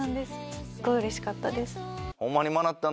すっごいうれしかったです。